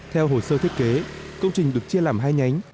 theo hồ sơ thiết kế công trình được chia làm hai nhánh